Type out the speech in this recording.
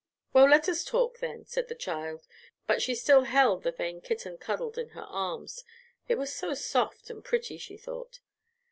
"Well, let us talk, then," said the child, but she still held the vain kitten cuddled in her arms it was so soft and pretty, she thought.